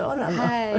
はい。